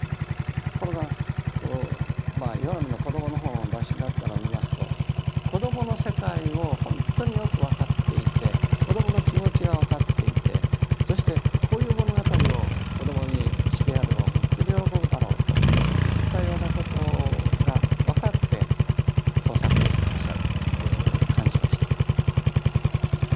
ところが岩波の子どもの本をお出しになったのを見ますと子どもの世界をほんとによく分かっていて子どもの気持ちが分かっていてそしてこういう物語を子どもにしてやればほんとに喜ぶだろうといったようなことが分かって創作をしてらっしゃるということを感じました。